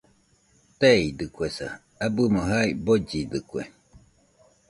Teeidɨkuesa, abɨmo jae bollidɨkue